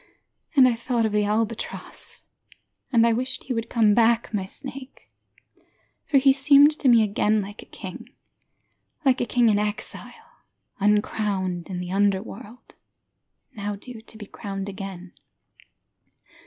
And I thought of the albatross, And I wished he would come back, my snake. For he seemed to me again like a king, Like a king in exile, uncrowned in the underworld, Now due to be crowned again.